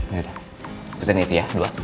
udah udah pesan ini aja ya dua